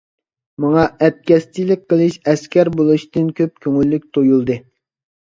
ماڭا ئەتكەسچىلىك قىلىش ئەسكەر بولۇشتىن كۆپ كۆڭۈللۈك تۇيۇلدى.